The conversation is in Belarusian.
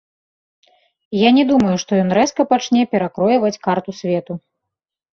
Я не думаю, што ён рэзка пачне перакройваць карту свету.